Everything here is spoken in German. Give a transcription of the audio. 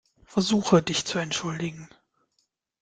Versuche, dich zu entschuldigen.